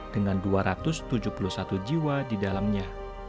dengan dua ratus tujuh puluh satu jiwa di dalamnya